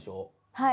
はい。